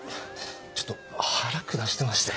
ちょっと腹下してまして。